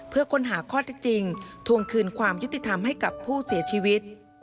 เพื่อค้นหาข้อที่จริงทวงคืนความยุติธรรมให้กับผู้เสียชีวิต